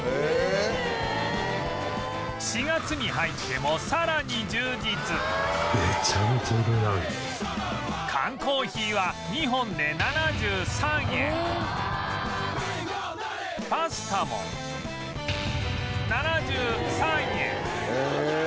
４月に入ってもさらに充実缶コーヒーは２本で７３円パスタも７３円！